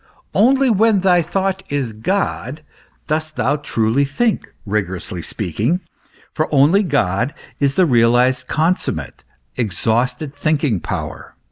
Only when thy thought is God, dost thou truly think, rigorously speaking; for only God is the realized, consummate, exhausted thinking power.